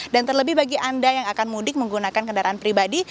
dan terlebih bagi anda yang akan mudik menggunakan kendaraan pribadi